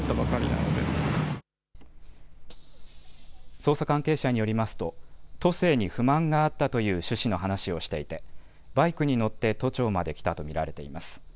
捜査関係者によりますと都政に不満があったという趣旨の話をしていてバイクに乗って都庁まで来たと見られています。